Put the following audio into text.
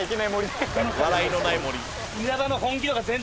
笑いのない森。